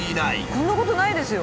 こんなことないですよ。